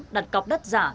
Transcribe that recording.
đặt cọp đất giả